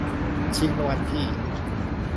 ชิงรางวัลที่